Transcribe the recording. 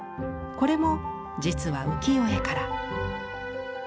これも実は浮世絵から。